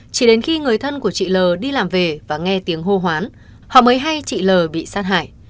chỉ đến khi người thân của chị l đi làm về và nghe tiếng hô hoán họ mới hay chị l bị sát hại